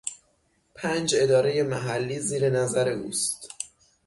پنج ادارهی محلی زیر نظر اوست.